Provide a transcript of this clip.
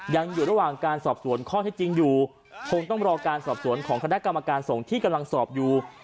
ยังอยู่ระหว่างการสอบสวนข้อเท็จจริงอยู่คงต้องรอการสอบสวนของคณะกรรมการส่งที่กำลังสอบอยู่